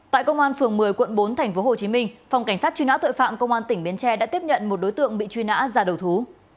tại công an phường một mươi quận bốn tp hcm phòng cảnh sát truy nã tội phạm công an tỉnh bến tre đã tiếp nhận một đối tượng bị truy nã ra đầu thú